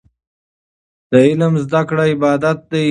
د علم زده کړه عبادت دی.